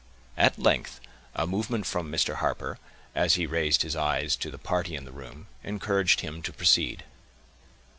At length, a movement from Mr. Harper, as he raised his eyes to the party in the room, encouraged him to proceed.